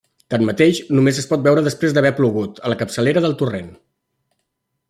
Tanmateix, només es pot veure després d'haver plogut a la capçalera del torrent.